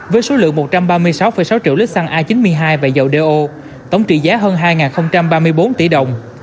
với số lượng một trăm ba mươi sáu sáu triệu lít xăng a chín mươi hai và dầu do tổng trị giá hơn hai ba mươi bốn tỷ đồng